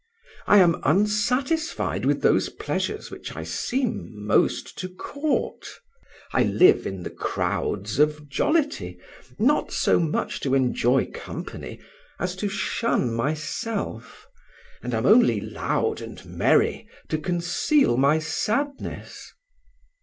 I am unsatisfied with those pleasures which I seem most to court. I live in the crowds of jollity, not so much to enjoy company as to shun myself, and am only loud and merry to conceal my sadness."